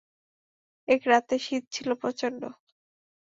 এক রাতে শীত ছিল প্রচণ্ড।